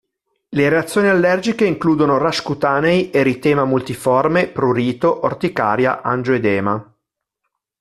Le reazioni allergiche includono rash cutanei, eritema multiforme, prurito, orticaria, angioedema.